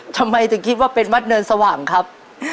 ทำไมถึงคิดว่าเป็นวัดเนินสว่างครับ